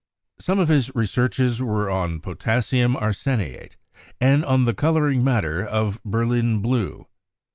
Some of his researches were on potassium arseniate, and on the coloring matter of Berlin blue.